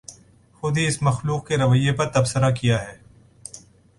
خود ہی اس مخلوق کے رویے پر تبصرہ کیاہے